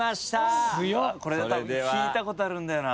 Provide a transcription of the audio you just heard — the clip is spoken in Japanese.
これ聞いたことあるんだよな。